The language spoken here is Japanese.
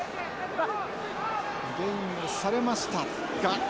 ゲインをされましたが。